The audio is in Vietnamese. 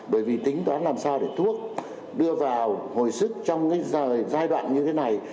bởi vì tính toán làm sao để thuốc đưa vào hồi sức trong giai đoạn như thế này